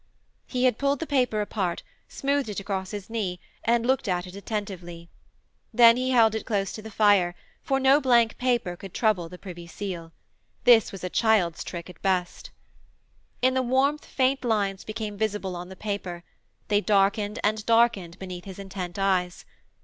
He had pulled the paper apart, smoothed it across his knee, and looked at it attentively. Then he held it close to the fire, for no blank paper could trouble the Privy Seal. This was a child's trick at best. In the warmth faint lines became visible on the paper; they darkened and darkened beneath his intent eyes.